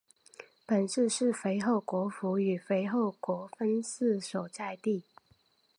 本市是肥后国府与肥后国分寺所在地。